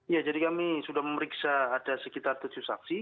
ya jadi kami sudah memeriksa ada sekitar tujuh saksi